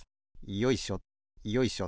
よいしょよいしょ。